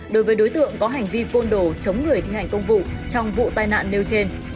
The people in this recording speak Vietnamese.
đối với đối tượng có hành vi côn đồ chống người thi hành công vụ trong vụ tai nạn nêu trên